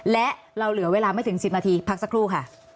และเราเหลือเวลาไม่ถึง๑๐นาทีพักสักครู่ค่ะ